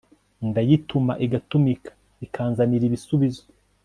ndayituma igatumika ikanzanira ibisubizo